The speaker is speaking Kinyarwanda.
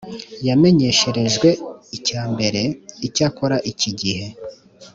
yamenyesherejwe icya mbere icyakora iki gihe